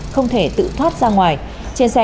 không thể tự thoát ra ngoài trên xe